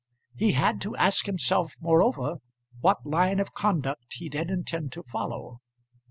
He had to ask himself, moreover, what line of conduct he did intend to follow.